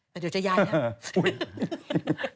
แต่เดี๋ยวจะยายนะ